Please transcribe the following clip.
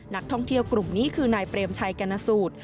นักท่องเที่ยวกลุ่มนี้คือนายเปรมชัยกรณสูตร